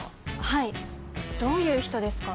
はいどういう人ですか？